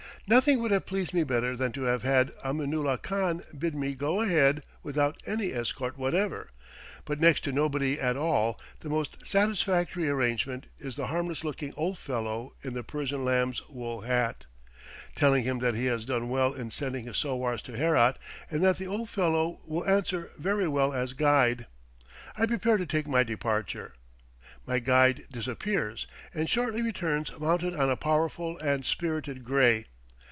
Nothing would have pleased me better than to have had Aminulah Khan bid me go ahead without any escort whatever, but next to nobody at all, the most satisfactory arrangement is the harmless looking old fellow in the Persian lamb's wool hat. Telling him that he has done well in sending his sowars to Herat, and that the old fellow will answer very well as guide, I prepare to take my departure. My guide disappears, and shortly returns mounted on a powerful and spirited gray.